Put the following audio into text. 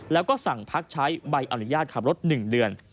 แล้วก็สั่งพักใช้ใบอนุญาตขับรถ๑เดือน